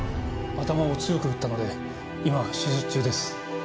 頭を強く打ったので今手術中です。